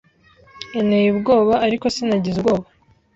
Yanteye ubwoba, ariko sinagize ubwoba.